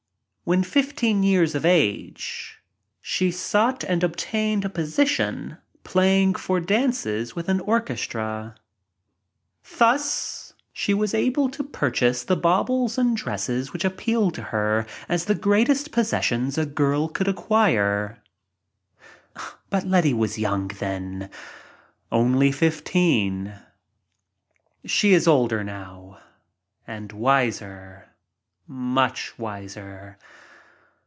When fifteen years of age she sought and obtained a position playing for dances with an orchestra. Thus she was able to purchase the baubles and dresses which appealed to her as the greatest pos sessions a girl could acquire. But Letty was young then — only fifteen. She is older now — and wiser— much wiser.